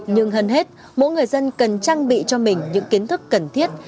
nhưng hơn hết mỗi người dân cần trang bị cho mình những kiến thức cần thiết